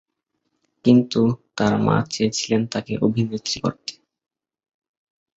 কিন্তু, তার মা চেয়েছিলেন তাকে অভিনেত্রী করতে।